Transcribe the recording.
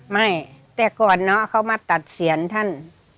ไม่แต่ก่อนเนาะเขามาตัดเสียนท่าน